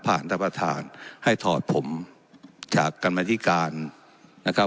ท่านประธานให้ถอดผมจากกรรมธิการนะครับ